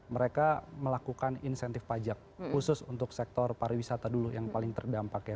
mereka melakukan insentif pajak khusus untuk sektor pariwisata dulu yang paling terdampak ya